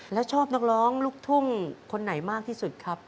แล้วชอบนักร้องลูกทุ่งคนไหนมากที่สุดครับ